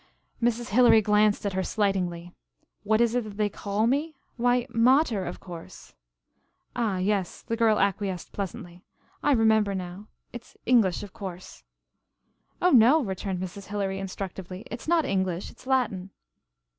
Mrs. Hilary glanced at her slightingly. "What is it that they call me? Why, mater, of course." "Ah, yes," the girl acquiesced pleasantly. "I remember now; it's English, of course." "Oh, no," returned Mrs. Hilary instructively, "it's not English; it's Latin."